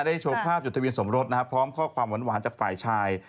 โชว์ภาพจดทะเบียนสมรสนะครับพร้อมข้อความหวานจากฝ่ายชาย